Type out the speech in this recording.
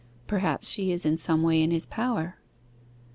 'Perhaps she is in some way in his power.